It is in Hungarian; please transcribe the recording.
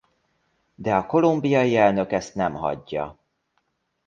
De a kolumbiai elnök ezt nem hagyja.